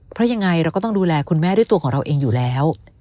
เพราะยังไงเราก็ต้องดูแลคุณแม่ด้วยตัวของเราเองอยู่แล้ว